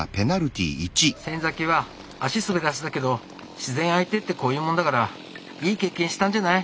先は足滑らせたけど自然相手ってこういうもんだからいい経験したんじゃない？